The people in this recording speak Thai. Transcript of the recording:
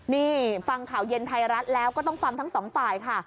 นี่ฟังข่าวเย็นไทยรัฐแล้วก็ต้องฟังทั้งสองฝ่ายค่ะ